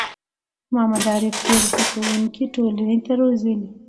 محمد عارف ډېر زده کوونکی ټولنې ته روزلي